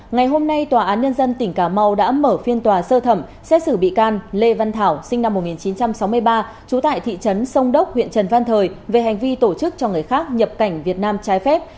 ngày hôm nay tòa án nhân dân tỉnh cà mau đã mở phiên tòa sơ thẩm xét xử bị can lê văn thảo sinh năm một nghìn chín trăm sáu mươi ba trú tại thị trấn sông đốc huyện trần văn thời về hành vi tổ chức cho người khác nhập cảnh việt nam trái phép